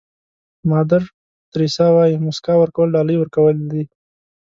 مادر تریسیا وایي موسکا ورکول ډالۍ ورکول دي.